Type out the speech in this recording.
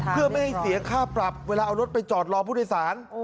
เพื่อไม่ให้เสียค่าปรับเวลาเอารถไปจอดรอผู้โดยสาร